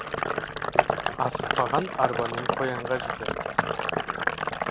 Асықпаған арбамен қоянға жетер.